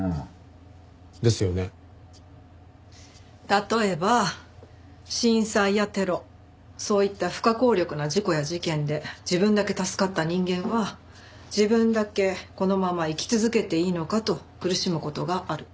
例えば震災やテロそういった不可抗力な事故や事件で自分だけ助かった人間は自分だけこのまま生き続けていいのかと苦しむ事がある。